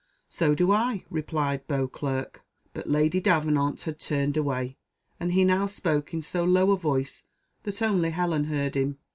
"So do I," replied Beauclerc; but Lady Davenant had turned away, and he now spoke in so low a voice, that only Helen heard him.